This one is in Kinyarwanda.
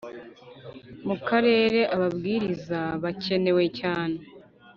Mu karere ababwiriza bakenewe cyane